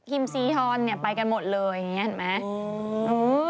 พิมพ์ซีฮอลไปกันหมดเลยอย่างนี้เห็นไหม